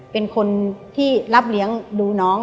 เป็นคนที่รับเลี้ยงดูน้อง